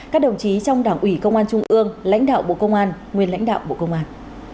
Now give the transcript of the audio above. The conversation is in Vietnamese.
các đồng chí trong đảng ủy công an trung ương lãnh đạo bộ công an nguyên lãnh đạo bộ công an